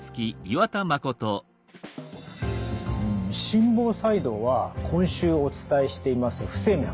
心房細動は今週お伝えしています「不整脈」